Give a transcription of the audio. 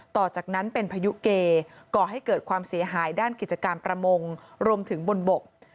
ต่อจากนั้นเป็นพายุเกก่อให้เกิดความเสียหายด้านกิจการประมงรวมถึงบนบก